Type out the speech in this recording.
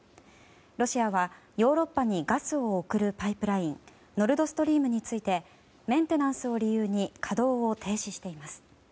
ロシアはヨーロッパにガスを送るパイプラインノルドストリームについてメンテナンスを理由に稼働を停止しています。